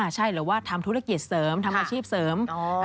ใช่หรือว่าทำธุรกิจเสริมทำอาชีพเสริม